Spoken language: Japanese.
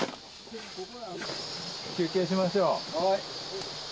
休憩しましょう。